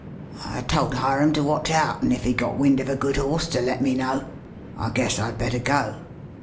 I told Hiram to watch out, an' if he got wind of a good horse to let me know. I guess I'd better go."